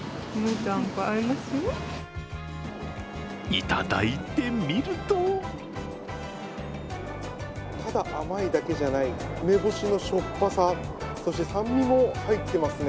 いただいてみるとただ甘いだけじゃない、梅干しのしょっぱさそして酸味も入ってますね。